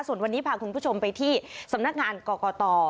ส่วนวันนี้พาคุณผู้ชมไปที่สำนักงานกรกต